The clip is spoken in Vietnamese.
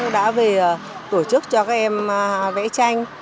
đã về tổ chức cho các em vẽ tranh